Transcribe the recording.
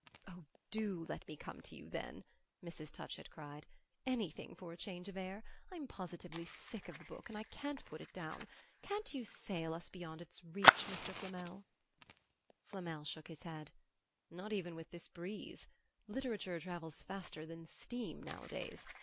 "Oh, DO let me come to you, then!" Mrs. Touchett cried; "anything for a change of air! I'm positively sick of the book and I can't put it down. Can't you sail us beyond its reach, Mr. Flamel?" Flamel shook his head. "Not even with this breeze. Literature travels faster than steam nowadays.